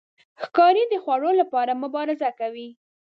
ښکاري د خوړو لپاره مبارزه کوي.